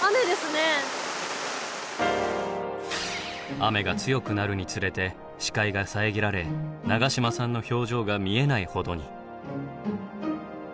雨が強くなるにつれて視界が遮られ永島さんの表情が見えないほどに。